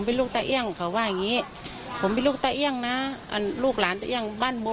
นี่คือหนึ่งสักครั้งคระครับ